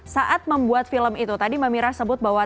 saat membuat film itu tadi mamira sebut bahwa